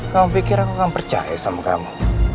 kamu pikir aku akan percaya sama kamu